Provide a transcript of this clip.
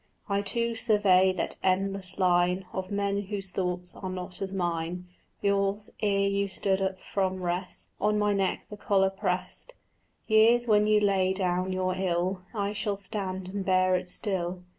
I too survey that endless line Of men whose thoughts are not as mine. Years, ere you stood up from rest, On my neck the collar prest; Years, when you lay down your ill, I shall stand and bear it still.